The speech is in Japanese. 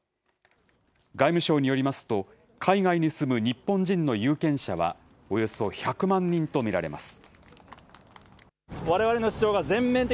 外務省によりますと、海外に住む日本人の有権者は、およそ１００万人と見られます。